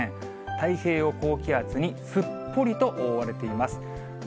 太平洋高気圧にすっぽりと覆われています。